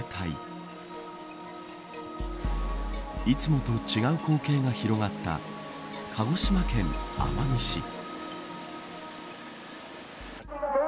いつもと違う光景が広がった鹿児島県奄美市。